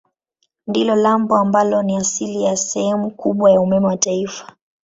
Ndilo lambo ambalo ni asili ya sehemu kubwa ya umeme wa taifa.